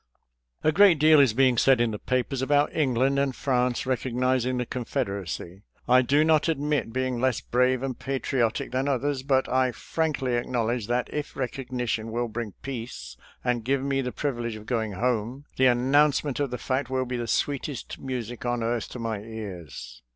«•♦ A great deal is being said in the papers about England and France recognizing the Confeder acy. I do not admit being less brave and patri otic than others, but I frankly acknowledge that if recognition will bring peace and give me the privilege of going home, the announcement of the fact will be the sweetest music on earth to my ears.